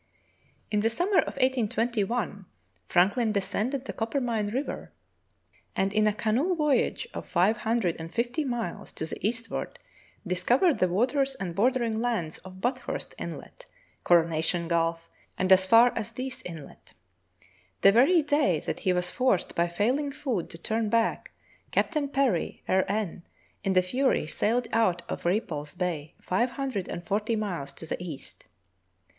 " In the summer of 1821 Frankhn descended the Coppermine River, and in a canoe voyage of five hundred and fifty miles to the eastward discovered the waters and bordering lands of Bathurst Inlet, Coronation Gulf, and as far as Dease Inlet. The very day that he was forced by failing food to turn back. Captain Parry, R.N., in the Fury, sailed out of Re pulse Bay five hundred and forty miles to the east.